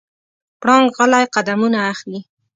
پړانګ غلی قدمونه اخلي.